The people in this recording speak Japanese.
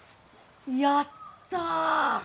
やった！